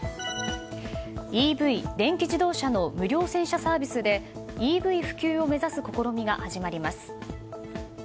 ＥＶ・電気自動車の無料洗車サービスでＥＶ普及を目指す試みが始まります。